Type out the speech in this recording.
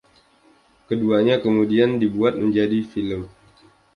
Keduanya kemudian dibuat menjadi film.